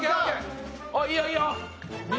おっいいよいいよ！